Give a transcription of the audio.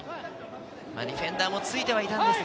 ディフェンダーもついてはいたんですが、